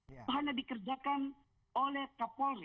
itu hanya dikerjakan oleh kapolri